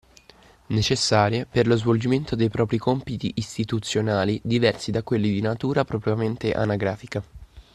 Necessarie per lo svolgimento dei propri compiti istituzionali diversi da quelli di natura propriamente anagrafica